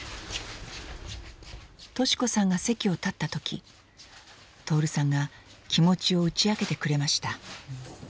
敏子さんが席を立った時徹さんが気持ちを打ち明けてくれました。